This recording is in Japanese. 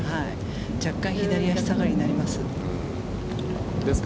若干、左足下がりになります。